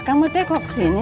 kamu tengok sini